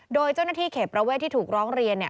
โดยเจ้าหน้าที่เขตประเวทที่ถูกร้องเรียน